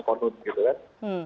dan menggunakan konon